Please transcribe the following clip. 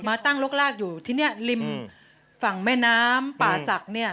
มาตั้งลกลากอยู่ทีนี้ริมฝั่งแม่น้ำป่าศักดิ์เนี่ย